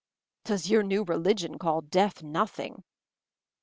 "Does your new religion call death noth ing?"